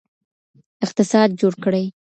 اقتصاد جوړ کړئ.